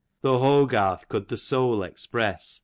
Tho' Hogarth could the soul express.